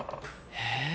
へえ。